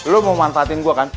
lu mau manfaatin gua kan